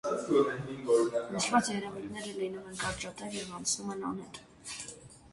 Նշված երևույթները լինում են կարճատև և անցնում են անհետ։